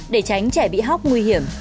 để tránh trẻ bị hóc nguy hiểm